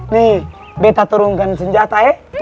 nih beta turunkan senjata ya